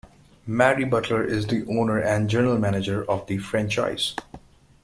Mary Butler is the owner and general manager of the franchise.